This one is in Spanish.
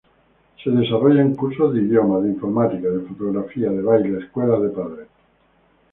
Se desarrollan cursos de idiomas, de informática, de fotografía, de baile, escuelas de padres.